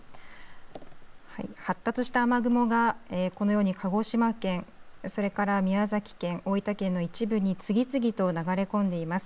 発達した雨雲がこのように鹿児島県それから宮崎県、大分県の一部に次々と流れ込んでいます。